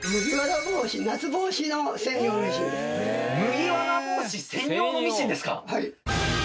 麦わら帽子専用のミシンですか？